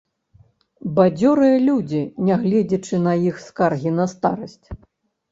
Бадзёрыя людзі, нягледзячы на іх скаргі на старасць.